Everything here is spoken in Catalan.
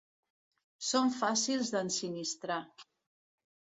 Són fàcils d'ensinistrar.